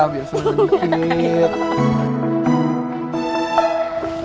biar semakin sedikit